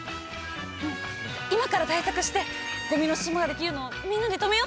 うん今から対策してごみの島ができるのをみんなで止めよ！